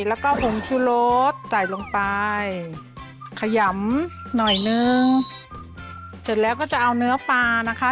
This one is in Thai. แล้วก็ผงชูรสใส่ลงไปขยำหน่อยนึงเสร็จแล้วก็จะเอาเนื้อปลานะคะ